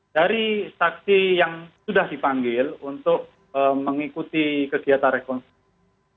dari saksi yang sudah dipanggil untuk mengikuti kegiatan rekonstruksi